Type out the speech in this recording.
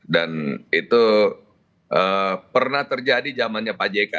dan itu pernah terjadi zamannya pak jk